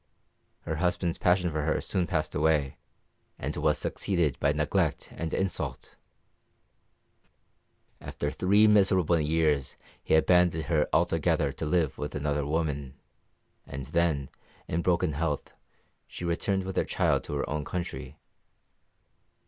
Her husband's passion for her soon passed away, and was succeeded by neglect and insult. After three miserable years he abandoned her altogether to live with another woman, and then, in broken health, she returned with her child to her own country.